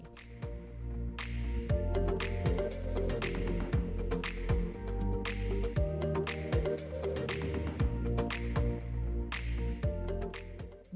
desa wisata jebuntu